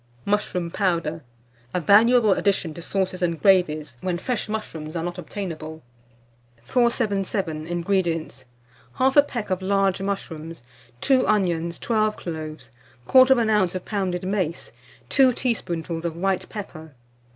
MUSHROOM POWDER (a valuable addition to Sauces and Gravies, when fresh Mushrooms are not obtainable). 477. INGREDIENTS. 1/2 peck of large mushrooms, 2 onions, 12 cloves, 1/4 oz. of pounded mace, 2 teaspoonfuls of white pepper.